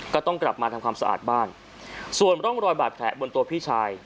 ก็ต้องกลับมาทำความสะอาดบ้านส่วนร่องรอยบาดแผลบนตัวพี่ชาย